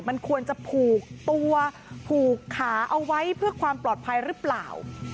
มันควรจะผูกตัวผูกขาเอาไว้เพื่อความปลอดภัยหรือเปล่า